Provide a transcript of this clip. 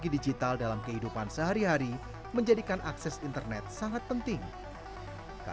satu lima ratus tiga puluh enam di jakarta selatan satu lima ratus tiga puluh enam di jakarta timur